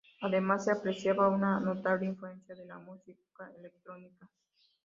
Además, se apreciaba una notable influencia de la música electrónica.